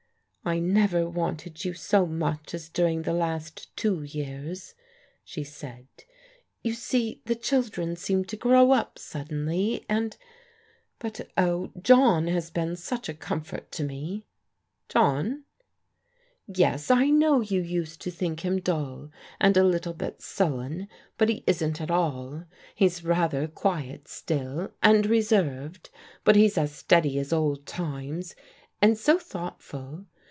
" I never wanted you so much as during the last two years," she said. " You see the children seemed to grow up suddenly, and — ^but oh, John has been such a comfort to me !" "John?" " Yes, I know you used to think him dull, and a little bit sullen, but he isn't at all. He's rather quiet still, and reserved ; but he's as steady as old times, and so thought ful.